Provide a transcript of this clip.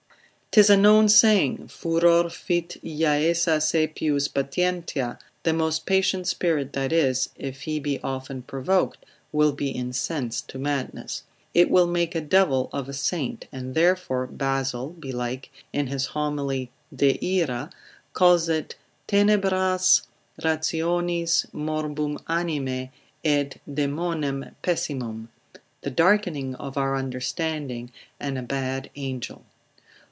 'Tis a known saying, Furor fit Iaesa saepius palienlia, the most patient spirit that is, if he be often provoked, will be incensed to madness; it will make a devil of a saint: and therefore Basil (belike) in his Homily de Ira, calls it tenebras rationis, morbum animae, et daemonem pessimum; the darkening of our understanding, and a bad angel.